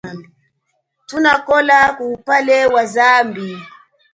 Thunakola kuwupale wa zambi.